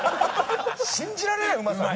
信じられないうまさだよね